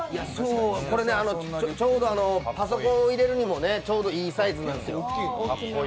これ、パソコンを入れるにもちょうどいいサイズなんですよ。